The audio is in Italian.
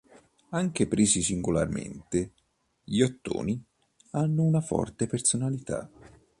Anche presi singolarmente, gli ottoni hanno una forte "personalità".